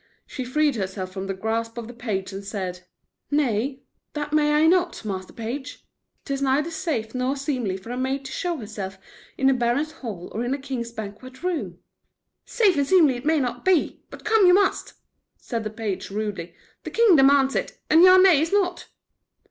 She freed herself from the grasp of the page, and said: "Nay, that may I not, master page. 'T is neither safe nor seemly for a maid to show herself in baron's hall or in king's banquet room." "Safe and seemly it may not be, but come you must," said the page, rudely. "The king demands it, and your nay is naught."